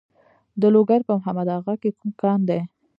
د لوګر په محمد اغه کې کوم کان دی؟